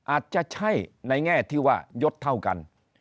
อาจจะใช่ในแง่ที่ว่ายดเท่ากัน